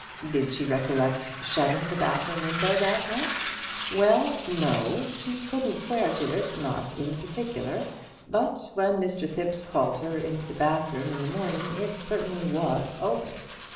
Did she recollect shutting the bathroom window that night? Well, no, she couldn't swear to it, not in particular, but when Mr. Thipps called her into the bathroom in the morning it certainly was open.